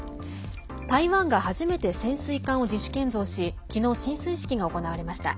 台湾が初めて潜水艦を自主建造し昨日、進水式が行われました。